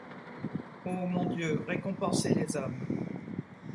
Ô mon Dieu, récompensez les hommes!